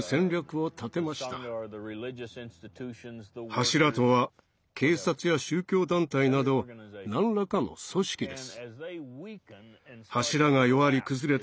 柱とは警察や宗教団体など何らかの組織です。